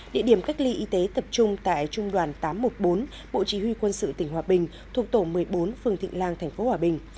địa điểm cách ly y tế tập trung tại trung đoàn tám trăm một mươi bốn bộ chỉ huy quân sự tỉnh hòa bình thuộc tổ một mươi bốn phường thịnh lan tp hòa bình